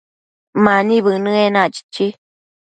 Mani bënë enac, chichi